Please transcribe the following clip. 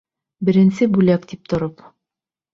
Беренсе бүләк тип тороп...